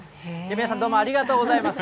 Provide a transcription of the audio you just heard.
皆さん、どうもありがとうございます。